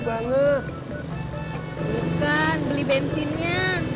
bukan beli bensinnya